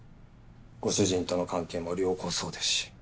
ご主人との関係も良好そうですし。